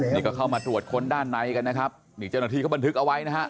นี่ก็เข้ามาตรวจค้นด้านในกันนะครับนี่เจ้าหน้าที่เขาบันทึกเอาไว้นะฮะ